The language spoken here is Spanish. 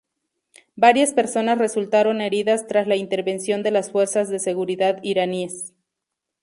Varias personas resultaron heridas tras la intervención de las fuerzas de seguridad iraníes.